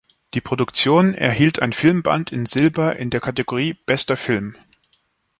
Die Produktion erhielt ein Filmband in Silber in der Kategorie „Bester Film“.